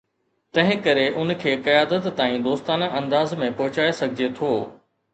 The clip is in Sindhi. تنهن ڪري ان کي قيادت تائين دوستانه انداز ۾ پهچائي سگهجي ٿو.